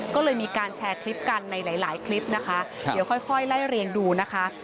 ก็เลยมีการแชร์คลิปกันในหลายคลิปนะคะเดี๋ยวค่อยไล่เรียงดูนะคะ